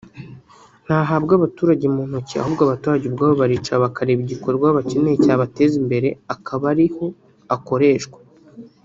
ntahabwa abaturage mu ntoki ahubwo abaturage ubwabo baricara bakareba igikorwa bakeneye cyabateza imbere akaba ariho akoreshwa